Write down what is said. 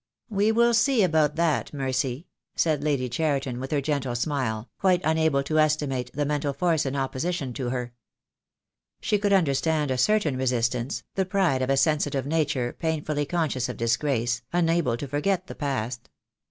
"We will see about that, Mercy," said Lady Cheriton, with her gentle smile, quite unable to estimate the mental force in opposition to her. She could understand a certain resistance, the pride of a sensitive nature painfully conscious of disgrace, un able to forget the past.